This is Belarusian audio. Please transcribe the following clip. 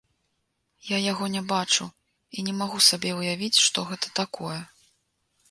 Я яго не бачу і не магу сабе ўявіць, што гэта такое.